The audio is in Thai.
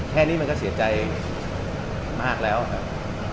แค่นี้มันก็เสียใจมากแล้วครับ